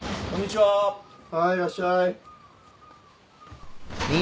・はいいらっしゃい。